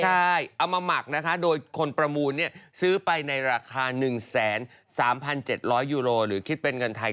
ใช่เอามาหมักนะคะโดยคนประมูลซื้อไปในราคา๑๓๗๐๐ยูโรหรือคิดเป็นเงินไทย